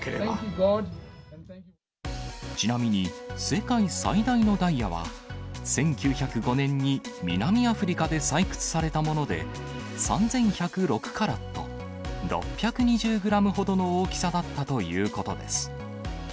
ちなみに、世界最大のダイヤは、１９０５年に南アフリカで採掘されたもので、３１０６カラット、６２０グラムほどの大きさだったということです。